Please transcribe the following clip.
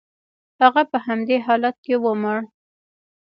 هغه په همدې حالت کې ومړ.